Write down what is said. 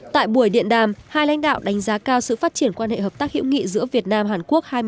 tại buổi điện đàm hai lãnh đạo đánh giá cao sự phát triển quan hệ hợp tác hiệu nghị giữa việt nam hàn quốc